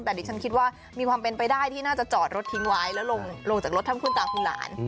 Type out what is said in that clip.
แต่ดิฉันคิดว่ามีความเป็นไปได้ที่น่าจะจอดรถทิ้งไว้แล้วลงจากรถทั้งคุณตาคุณหลาน